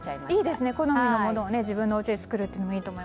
いいですね、好みのものを自分のおうちで作るのも。